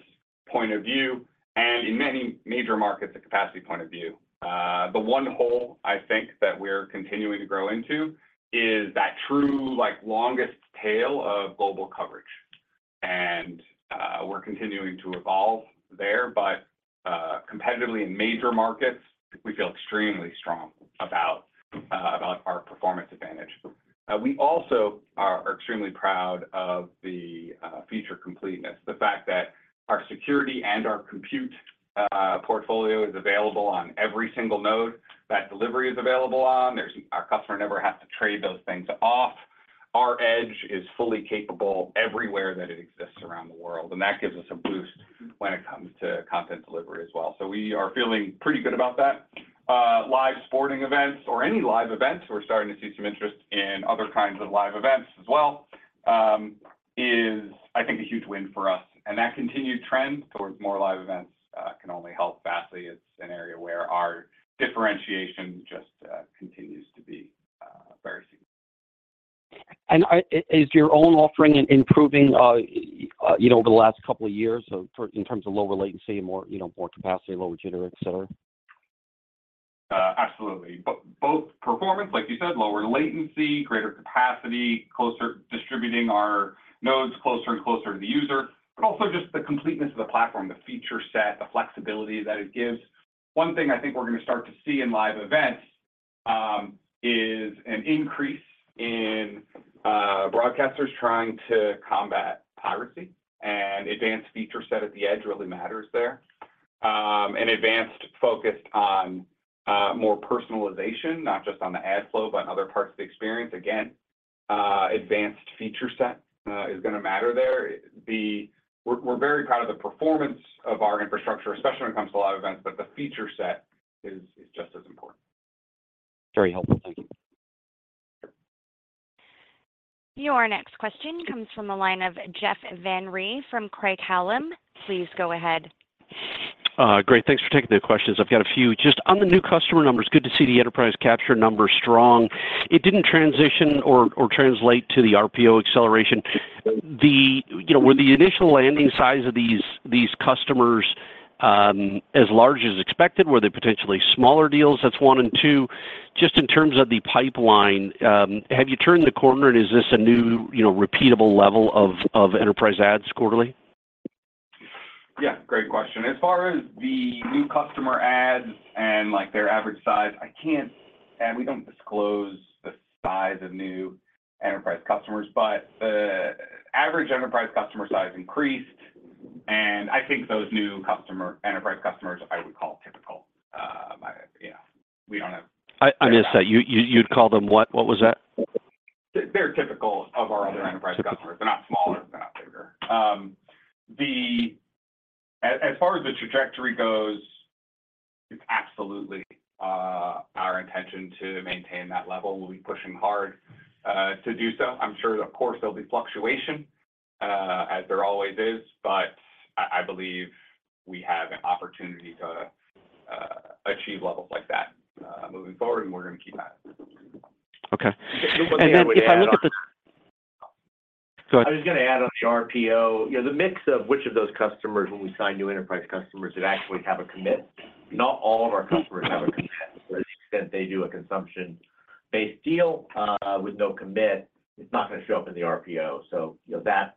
point of view, and in many major markets, a capacity point of view. The one hole I think that we're continuing to grow into is that true like longest tail of global coverage, and we're continuing to evolve there. But competitively, in major markets, we feel extremely strong about our performance advantage. We also are extremely proud of the feature completeness. The fact that our security and our compute portfolio is available on every single node that delivery is available on. There's our customer never has to trade those things off. Our edge is fully capable everywhere that it exists around the world, and that gives us a boost when it comes to content delivery as well. So we are feeling pretty good about that. Live sporting events or any live events, we're starting to see some interest in other kinds of live events as well, is, I think, a huge win for us. And that continued trend towards more live events can only help Fastly. It's an area where our differentiation just continues to be very significant. Is your own offering improving, you know, over the last couple of years, so in terms of lower latency and more, you know, more capacity, lower jitter, et cetera? Absolutely. Both performance, like you said, lower latency, greater capacity, closer, distributing our nodes closer and closer to the user, but also just the completeness of the platform, the feature set, the flexibility that it gives. One thing I think we're going to start to see in live events is an increase in broadcasters trying to combat piracy, and advanced feature set at the edge really matters there. An advanced focus on more personalization, not just on the ad flow, but on other parts of the experience. Again, advanced feature set is going to matter there. We're very proud of the performance of our infrastructure, especially when it comes to live events, but the feature set is just as important. Very helpful. Thank you. Your next question comes from the line of Jeff Van Rhee from Craig-Hallum. Please go ahead. Great. Thanks for taking the questions. I've got a few. Just on the new customer numbers, good to see the enterprise capture numbers strong. It didn't transition or translate to the RPO acceleration. You know, were the initial landing size of these customers as large as expected? Were they potentially smaller deals? That's one. And two, just in terms of the pipeline, have you turned the corner, and is this a new, you know, repeatable level of enterprise adds quarterly? Yeah, great question. As far as the new customer adds and, like, their average size, I can't... And we don't disclose the size of new enterprise customers, but the average enterprise customer size increased, and I think those new customer enterprise customers, I would call typical. Yeah, we don't have- I missed that. You'd call them what? What was that? They're typical of our other enterprise customers. Typical. They're not smaller, they're not bigger. As far as the trajectory goes, it's absolutely our intention to maintain that level. We'll be pushing hard to do so. I'm sure, of course, there'll be fluctuation as there always is, but I believe we have an opportunity to achieve levels like that moving forward, and we're going to keep at it. Okay. The only way to- If I look at the I was going to add on the RPO, you know, the mix of which of those customers, when we sign new enterprise customers, that actually have a commit. Not all of our customers have a commit. To the extent they do a consumption-based deal with no commit, it's not going to show up in the RPO. So, you know, that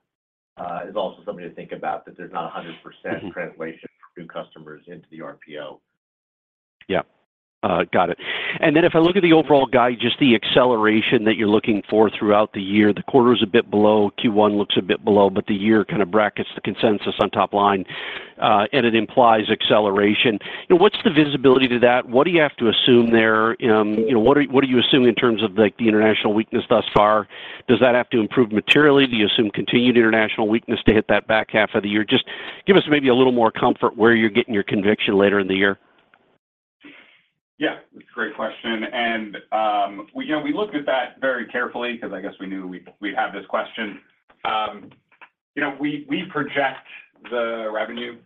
is also something to think about, that there's not a 100% translation for new customers into the RPO. Yeah, got it. And then if I look at the overall guide, just the acceleration that you're looking for throughout the year, the quarter is a bit below, Q1 looks a bit below, but the year kind of brackets the consensus on top line and it implies acceleration. You know, what's the visibility to that? What do you have to assume there? You know, what do, what do you assume in terms of, like, the international weakness thus far? Does that have to improve materially? Do you assume continued international weakness to hit that back half of the year? Just give us maybe a little more comfort where you're getting your conviction later in the year. Yeah, great question. And, we, you know, we looked at that very carefully because I guess we knew we'd have this question. You know, we, we project the revenue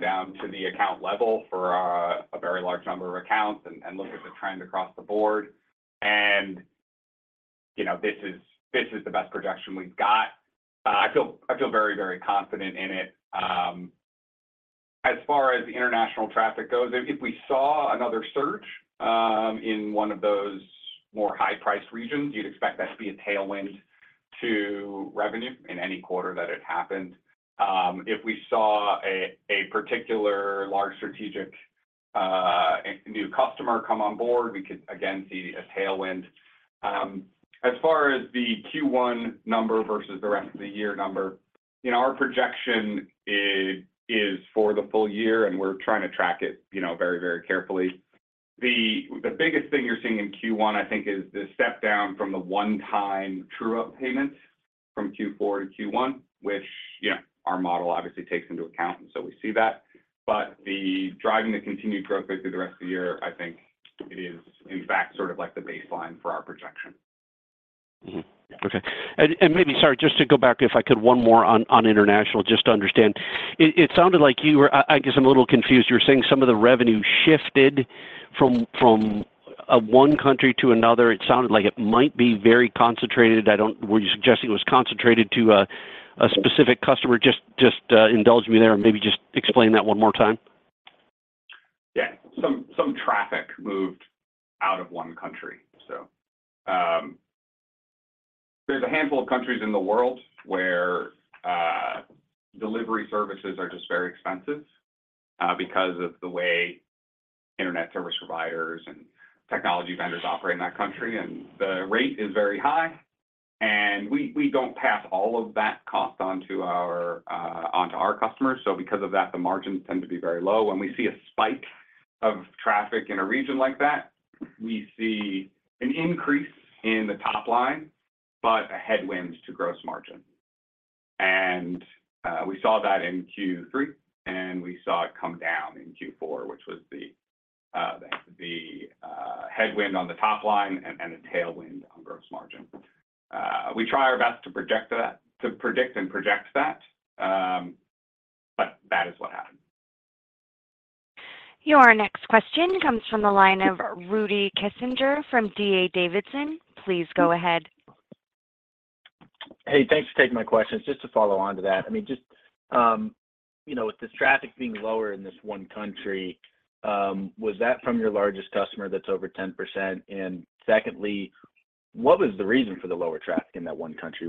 down to the account level for a very large number of accounts and, and look at the trend across the board. And, you know, this is, this is the best projection we've got. I feel, I feel very, very confident in it. As far as international traffic goes, if, if we saw another surge in one of those more high-priced regions, you'd expect that to be a tailwind to revenue in any quarter that it happened. If we saw a, a particular large strategic new customer come on board, we could again see a tailwind. As far as the Q1 number versus the rest of the year number, you know, our projection is for the full year, and we're trying to track it, you know, very, very carefully. The biggest thing you're seeing in Q1, I think, is the step down from the one-time true-up payments from Q4 to Q1, which, you know, our model obviously takes into account, and so we see that. But driving the continued growth rate through the rest of the year, I think it is, in fact, sort of like the baseline for our projection. Mm-hmm. Okay. And, and maybe, sorry, just to go back, if I could, one more on, on international, just to understand. It, it sounded like you were... I, I guess I'm a little confused. You were saying some of the revenue shifted from, from one country to another. It sounded like it might be very concentrated. I don't. Were you suggesting it was concentrated to a, a specific customer? Just, just indulge me there and maybe just explain that one more time. Yeah. Some traffic moved out of one country. So, there's a handful of countries in the world where delivery services are just very expensive, because of the way internet service providers and technology vendors operate in that country, and the rate is very high. And we don't pass all of that cost onto our customers, so because of that, the margins tend to be very low. When we see a spike of traffic in a region like that, we see an increase in the top line, but a headwind to gross margin. And we saw that in Q3, and we saw it come down in Q4, which was the headwind on the top line and a tailwind on gross margin. We try our best to project that, to predict and project that, but that is what happened. Your next question comes from the line of Rudy Kessinger from D.A. Davidson. Please go ahead. Hey, thanks for taking my questions. Just to follow on to that, I mean, just, you know, with this traffic being lower in this one country, was that from your largest customer that's over 10%? And secondly, what was the reason for the lower traffic in that one country?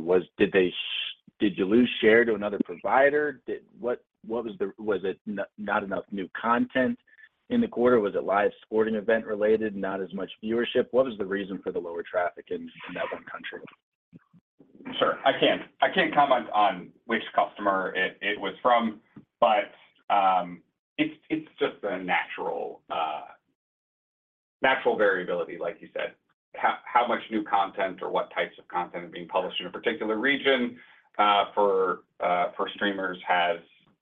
Did you lose share to another provider? What, what was the—was it not enough new content in the quarter? Was it live sporting event related, not as much viewership? What was the reason for the lower traffic in that one country? Sure. I can't comment on which customer it was from, but it's just a natural variability, like you said. How much new content or what types of content are being published in a particular region for streamers has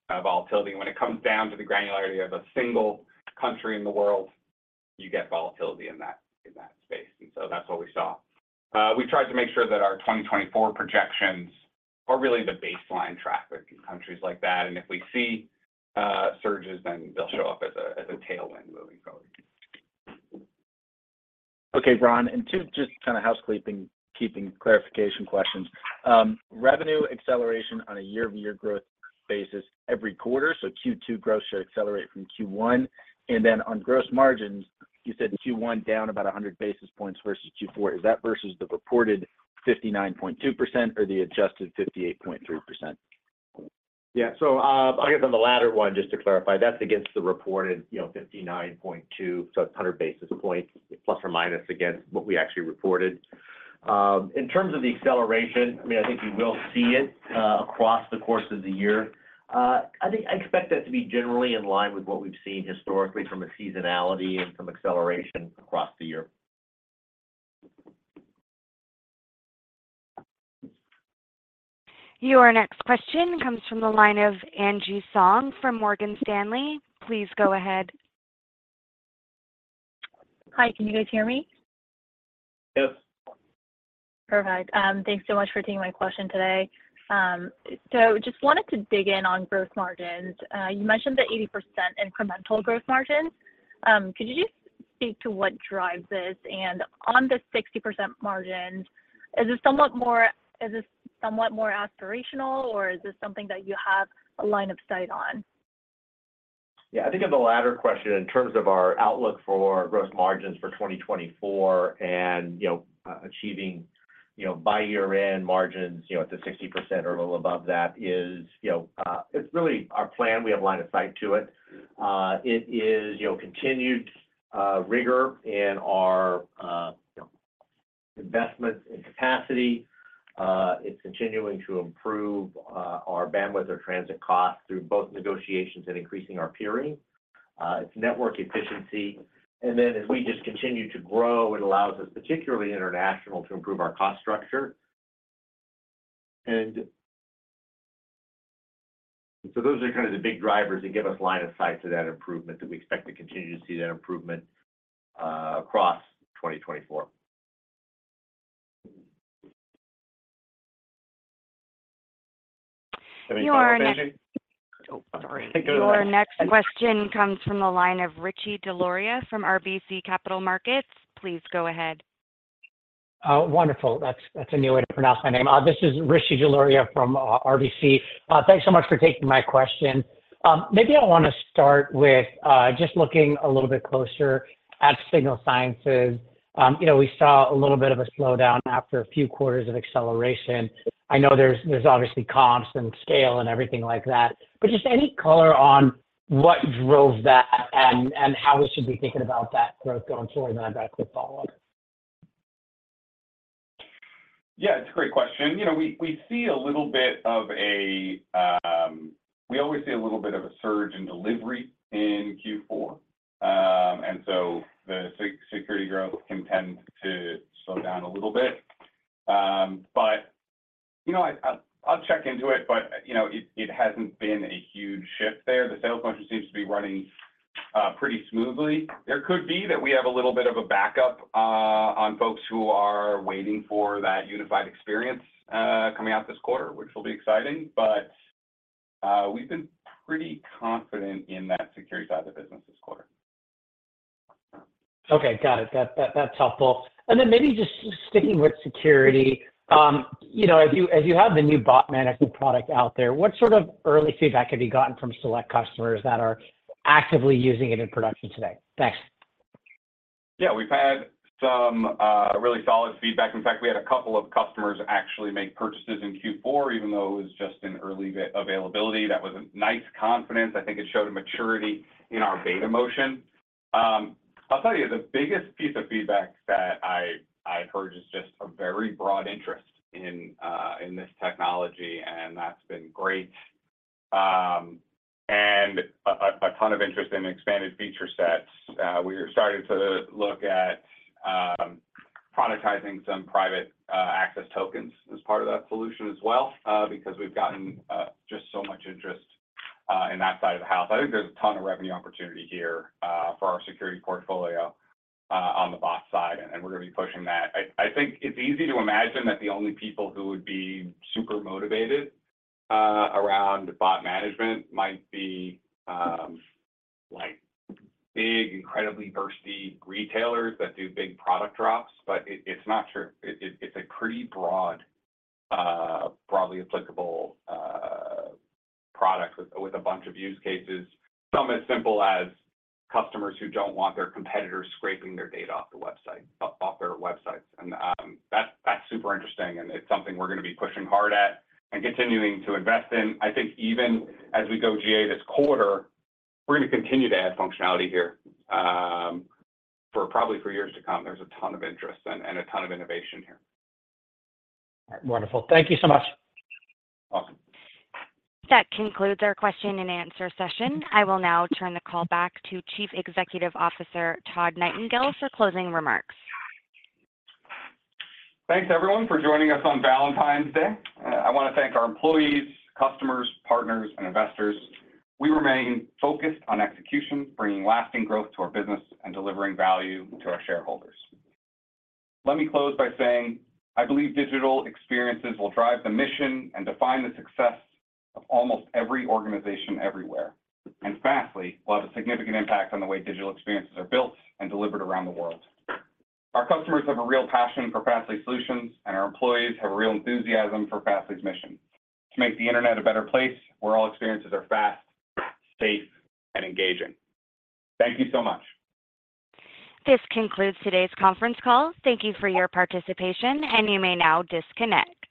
a volatility. When it comes down to the granularity of a single country in the world, you get volatility in that space, and so that's what we saw. We tried to make sure that our 2024 projections are really the baseline traffic in countries like that, and if we see surges, then they'll show up as a tailwind moving forward. Okay, Ron, and two just kind of housekeeping clarification questions. Revenue acceleration on a year-over-year growth basis every quarter, so Q2 growth should accelerate from Q1. And then on gross margins, you said Q1 down about 100 basis points versus Q4. Is that versus the reported 59.2% or the adjusted 58.3%? Yeah. So, I guess on the latter one, just to clarify, that's against the reported, you know, 59.2, so 100 basis points ± against what we actually reported. In terms of the acceleration, I mean, I think you will see it across the course of the year. I think I expect that to be generally in line with what we've seen historically from a seasonality and from acceleration across the year. Your next question comes from the line of Angie Song from Morgan Stanley. Please go ahead. Hi, can you guys hear me? Yes. Perfect. Thanks so much for taking my question today. So just wanted to dig in on gross margins. You mentioned the 80% incremental gross margin. Could you just speak to what drives this? And on the 60% margin, is this somewhat more aspirational, or is this something that you have a line of sight on? Yeah, I think on the latter question, in terms of our outlook for gross margins for 2024 and, you know, achieving, you know, by year-end margins, you know, at the 60% or a little above that is, you know, it's really our plan. We have line of sight to it. It is, you know, continued, rigor in our, you know- investment in capacity. It's continuing to improve our bandwidth or transit costs through both negotiations and increasing our peering. It's network efficiency, and then as we just continue to grow, it allows us, particularly international, to improve our cost structure. And so those are kind of the big drivers that give us line of sight to that improvement, that we expect to continue to see that improvement across 2024. Any final- Your next- Oh, sorry. Your next question comes from the line of Rishi Jaluria from RBC Capital Markets. Please go ahead. Wonderful. That's a new way to pronounce my name. This is Rishi Jaluria from RBC. Thanks so much for taking my question. Maybe I want to start with just looking a little bit closer at Signal Sciences. You know, we saw a little bit of a slowdown after a few quarters of acceleration. I know there's obviously comps and scale and everything like that, but just any color on what drove that and how we should be thinking about that growth going forward? And I have a quick follow-up. Yeah, it's a great question. You know, we see a little bit of a surge in delivery in Q4. And so the security growth can tend to slow down a little bit. But, you know, I'll check into it, but, you know, it hasn't been a huge shift there. The sales function seems to be running pretty smoothly. There could be that we have a little bit of a backup on folks who are waiting for that unified experience coming out this quarter, which will be exciting, but we've been pretty confident in that security side of the business this quarter. Okay. Got it. That's helpful. Maybe just sticking with security, you know, as you have the new bot management product out there, what sort of early feedback have you gotten from select customers that are actively using it in production today? Thanks. Yeah, we've had some really solid feedback. In fact, we had a couple of customers actually make purchases in Q4, even though it was just in early availability. That was a nice confidence. I think it showed a maturity in our beta motion. I'll tell you, the biggest piece of feedback that I've heard is just a very broad interest in this technology, and that's been great. And a ton of interest in expanded feature sets. We're starting to look at productizing some Private Access Tokes as part of that solution as well, because we've gotten just so much interest in that side of the house. I think there's a ton of revenue opportunity here for our security portfolio on the bot side, and we're going to be pushing that. I think it's easy to imagine that the only people who would be super motivated around bot management might be like big, incredibly thirsty retailers that do big product drops, but it's not true. It's a pretty broad, broadly applicable product with a bunch of use cases. Some as simple as customers who don't want their competitors scraping their data off their websites, and that's super interesting, and it's something we're going to be pushing hard at and continuing to invest in. I think even as we go GA this quarter, we're going to continue to add functionality here for probably years to come. There's a ton of interest and a ton of innovation here. All right. Wonderful. Thank you so much. Welcome. That concludes our question and answer session. I will now turn the call back to Chief Executive Officer, Todd Nightingale, for closing remarks. Thanks, everyone, for joining us on Valentine's Day. I want to thank our employees, customers, partners, and investors. We remain focused on execution, bringing lasting growth to our business, and delivering value to our shareholders. Let me close by saying I believe digital experiences will drive the mission and define the success of almost every organization everywhere, and Fastly will have a significant impact on the way digital experiences are built and delivered around the world. Our customers have a real passion for Fastly's solutions, and our employees have a real enthusiasm for Fastly's mission, to make the internet a better place, where all experiences are fast, safe, and engaging. Thank you so much. This concludes today's conference call. Thank you for your participation, and you may now disconnect.